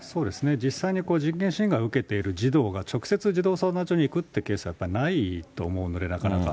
実際に人権侵害を受けている児童が直接児童相談所に行くってケース、やっぱないと思うので、なかなか。